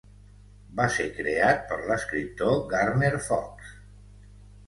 Va ser creat per l'escriptor Gardner Fox.